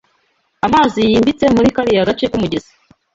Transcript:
Amazi yimbitse muri kariya gace k'umugezi.